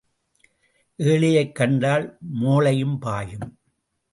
ஏழையைக் கண்டால் மோழையும் பாயும்.